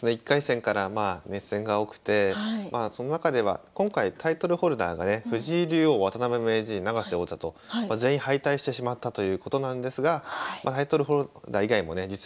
１回戦から熱戦が多くてまあその中では今回タイトルホルダーがね藤井竜王渡辺名人永瀬王座と全員敗退してしまったということなんですがタイトルホルダー以外もね